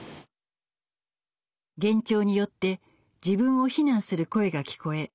幻聴によって自分を非難する声が聞こえ